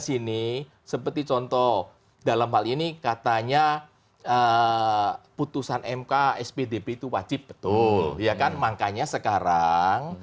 sini seperti contoh dalam hal ini katanya putusan mk spdp itu wajib betul ya kan makanya sekarang